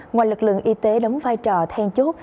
ngoài lực lượng y tế đóng vai trò then chốt